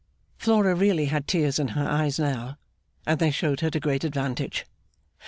Flora really had tears in her eyes now, and they showed her to great advantage.